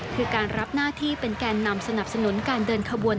คือการรับหน้าที่เป็นแกนนำสนับสนุนการเดินขบวน